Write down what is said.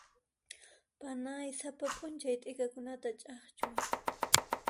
Panay sapa p'unchay t'ikakunata ch'akchun.